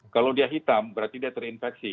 kalau dia hitam berarti dia terinfeksi